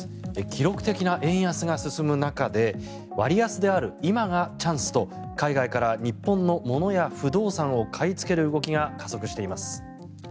記録的な円安が進む中で割安である今がチャンスと海外から日本のものや不動産を買いつける動きが加速しています。